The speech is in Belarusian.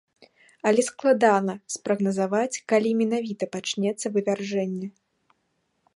Але складана спрагназаваць, калі менавіта пачнецца вывяржэнне.